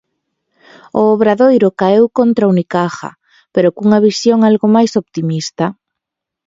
O Obradoiro caeu contra o Unicaja, pero cunha visión algo máis optimista.